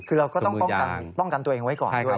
คือเราก็ต้องป้องกันตัวเองไว้ก่อนด้วยใช่ไหมครับ